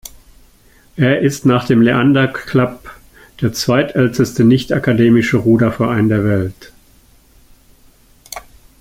Er ist nach dem Leander Club der zweitälteste nichtakademische Ruderverein der Welt.